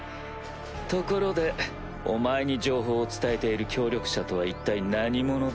ところでお前に情報を伝えている協力者とは一体何者だ？